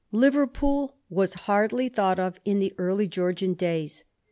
Liverpool was hardly thought of in the early Georgian days.